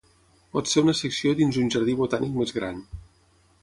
Pot ser una secció dins un jardí botànic més gran.